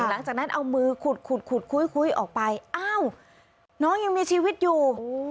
หลังจากนั้นเอามือขุดขุดคุยออกไปอ้าวน้องยังมีชีวิตอยู่